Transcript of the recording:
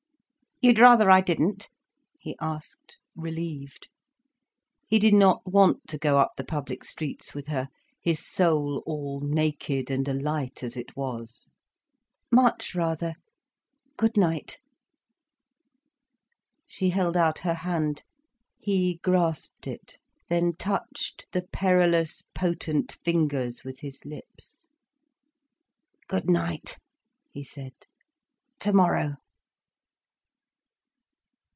"You'd rather I didn't?" he asked, relieved. He did not want to go up the public streets with her, his soul all naked and alight as it was. "Much rather—good night." She held out her hand. He grasped it, then touched the perilous, potent fingers with his lips. "Good night," he said. "Tomorrow."